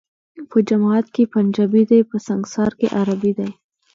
په جماعت کي پنجابی دی ، په سنګسار کي عربی دی